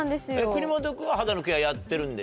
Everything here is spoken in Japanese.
国本君は肌のケアやってる？